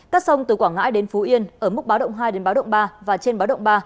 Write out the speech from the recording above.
các sông từ quảng ngãi đến phú yên ở mức báo động hai đến báo động ba và trên báo động ba